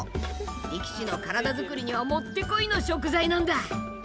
力士の体づくりにはもってこいの食材なんだ。